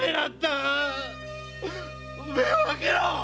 目を開けろ！